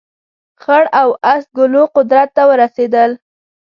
خړ او اس ګلو قدرت ته ورسېدل.